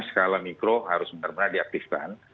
skala mikro harus benar benar diaktifkan